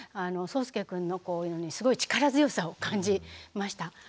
そうすけくんのすごい力強さを感じました。